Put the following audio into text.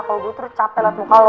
kalo gue tuh capek liat muka lo